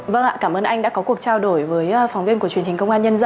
vâng ạ cảm ơn anh đã có cuộc trao đổi với phóng viên của truyền hình công an nhân dân